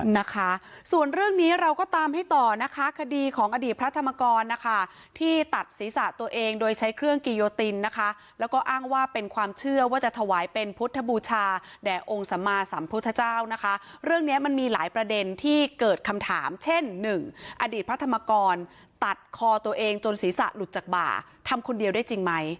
นะคะส่วนเรื่องนี้เราก็ตามให้ต่อนะคะคดีของอดีตพระธรรมกรนะคะที่ตัดศีรษะตัวเองโดยใช้เครื่องกิโยตินนะคะแล้วก็อ้างว่าเป็นความเชื่อว่าจะถวายเป็นพุทธบูชาแด่องค์สัมมาสัมพุทธเจ้านะคะเรื่องเนี้ยมันมีหลายประเด็นที่เกิดคำถามเช่นหนึ่งอดีตพระธรรมกรตัดคอตัวเองจนศีรษะหลุดจากบ่าทำคนเดียวได้จริงไหม